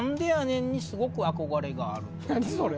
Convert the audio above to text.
何それ⁉